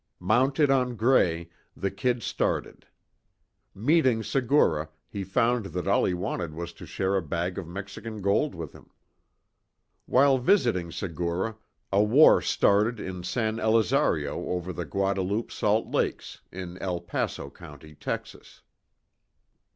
Mounted on "Gray," the "Kid" started. Meeting Segura, he found that all he wanted was to share a bag of Mexican gold with him. While visiting Segura, a war started in San Elizario over the Guadalupe Salt Lakes, in El Paso County, Texas.